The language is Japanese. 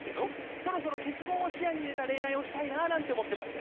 そろそろ結婚を視野に入れた恋愛をしたいななんて思ってまして。